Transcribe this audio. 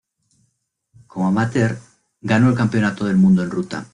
Como amateur ganó el Campeonato del mundo en ruta.